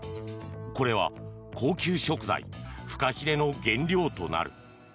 これは高級食材フカヒレの原料となる。